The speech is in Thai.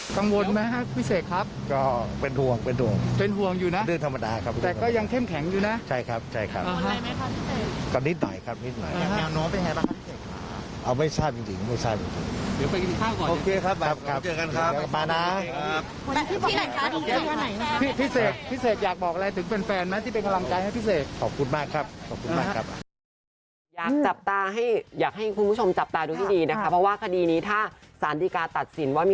กังวลไหมครับพี่เสกครับก็เป็นห่วงเป็นห่วงเป็นห่วงอยู่นะเรื่องธรรมดาครับแต่ก็ยังเข้มแข็งอยู่นะใช่ครับใช่ครับก็นิดหน่อยครับนิดหน่อยเอาน้องไปไหนละครับพี่เสกเอาไม่สั้นจริงไม่สั้นเดี๋ยวไปกินข้าวก่อนโอเคครับค่ะค่ะเดี๋ยวกันครับมานะพี่เสกอยากบอกอะไรถึงเป็นแฟนไหมที่เป็นกำล